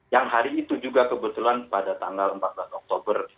yang hari itu juga kebetulan pada tanggal empat belas oktober